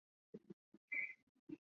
在这附近高速公路与交汇。